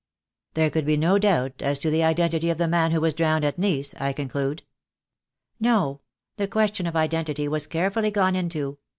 "There could be no doubt as to the identity of the man who was drowned at Nice, I conclude?" "No, the question of identity was carefully gone into.